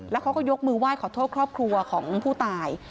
แล้วเขาก็ยกมือไหว้ขอโทษครอบครัวของผู้ตาย